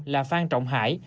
là phan trọng hải